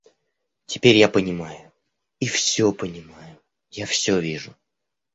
Теперь я понимаю, и всё понимаю, я всё вижу.